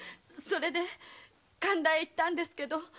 それで神田へ行ったんですけど。